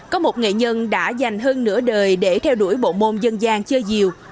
có một nghệ nhân đã dành hơn nửa đời để theo đuổi bộ môn dân gian chơi diều